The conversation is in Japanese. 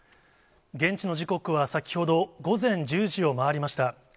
現地の時刻は先ほど、午前１０時を回りました。